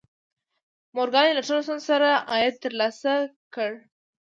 مورګان له ټولو ستونزو سره سره عاید ترلاسه کړ